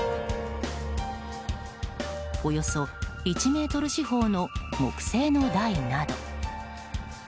およそ１ｍ四方の木製の台など。